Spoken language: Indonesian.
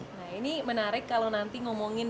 nah ini menarik kalau nanti ngomongin